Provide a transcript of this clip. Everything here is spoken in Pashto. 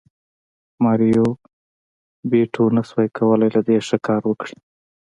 ماریو بیوټو نشوای کولی له دې ښه کار وکړي